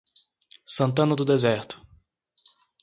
Santana do Deserto